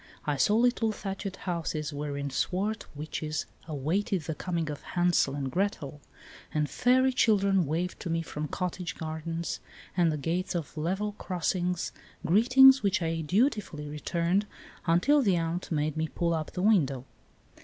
I saw little thatched houses wherein swart witches awaited the coming of Hansel and Gretel, and fairy children waved to me from cottage gardens and the gates of level crossings, greetings which I dutifully returned until the aunt made me pull up the window.